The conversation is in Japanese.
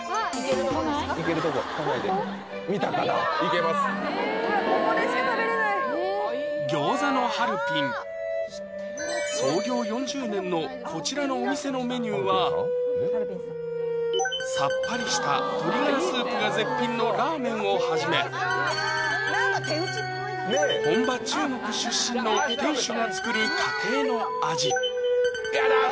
ここでしか食べれない創業４０年のこちらのお店のメニューはさっぱりした鶏ガラスープが絶品のラーメンをはじめ本場・中国出身の店主が作る家庭の味